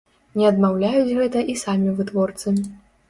Не адмаўляюць гэта і самі вытворцы.